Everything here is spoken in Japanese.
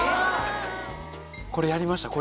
これやりました。